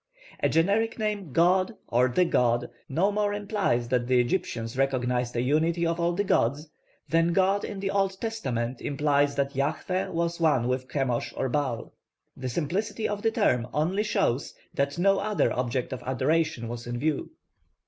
A generic name 'god' or 'the god' no more implies that the Egyptians recognised a unity of all the gods, than 'god' in the Old Testament implies that Yahvah was one with Chemosh and Baal. The simplicity of the term only shows that no other object of adoration was in view.